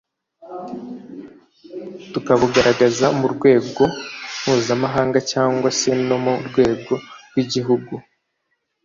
tukabugaragaza mu rwego mpuzamahanga cyangwa se no mu rwego rw’igihugu